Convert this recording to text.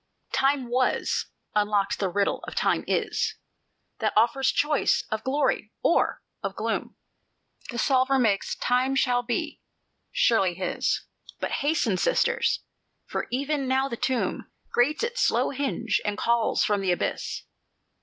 "Time Was unlocks the riddle of Time Is, That offers choice of glory or of gloom; The solver makes Time Shall Be surely his. But hasten, Sisters! for even now the tomb Grates its slow hinge and calls from the abyss."